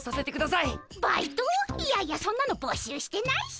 いやいやそんなの募集してないし。